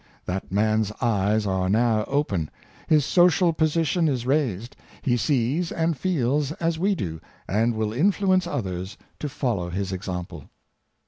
That man's eyes are now open; his social po sition is raised; he sees and feels as we do, and will influence others to follow his example."